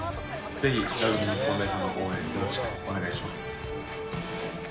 ぜひラグビー日本代表の応援、よろしくお願いします。